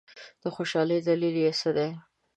د خوشالۍ دلیل دي څه دی؟